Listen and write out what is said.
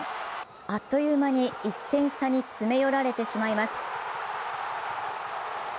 あっという間に１点差に詰め寄られてしまいます。